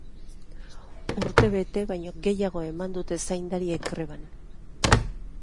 Urtebete baino gehiago eman dute zaindariek greban.